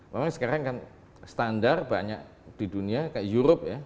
memang sekarang kan standar banyak di dunia kayak europe ya